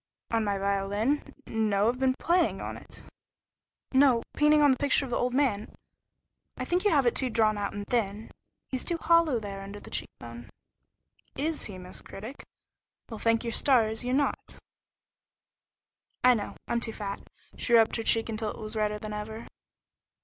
"On my violin? No, I've been playing on it." "No! Painting on the picture of your old man. I think you have it too drawn out and thin. He's too hollow there under the cheek bone." "Is he, Miss Critic? Well, thank your stars you're not." "I know. I'm too fat." She rubbed her cheek until it was redder than ever.